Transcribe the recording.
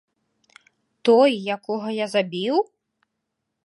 Той, якога я забіў?!